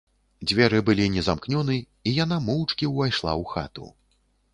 Дзверы былі незамкнёны, і яна моўчкі ўвайшла ў хату.